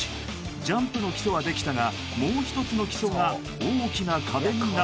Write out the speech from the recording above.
ジャンプの基礎はできたがもう一つの基礎が大きな壁になることに